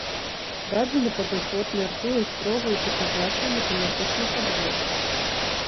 Дадзены падыход мяркуе строгую тыпізацыю матэматычных аб'ектаў.